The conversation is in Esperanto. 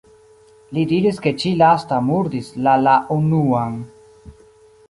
Li diris ke ĉi-lasta murdis la la unuan.